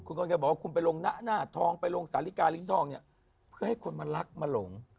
คุณก็จะบอกคุณไปลงหน้าทองไปลงสาลิกาลิ้นทองเพื่อให้คนมารักมาหลง